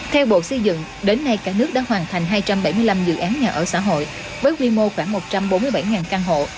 theo bộ xây dựng đến nay cả nước đã hoàn thành hai trăm bảy mươi năm dự án nhà ở xã hội với quy mô khoảng một trăm bốn mươi bảy căn hộ